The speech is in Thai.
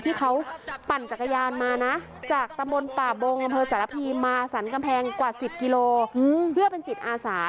ที่เขาปั่นจักรยานมานะจากตะมนต์ป่าบงอำเภอสารพีมาสรรกำแพงกว่า๑๐กิโลเพื่อเป็นจิตอาสา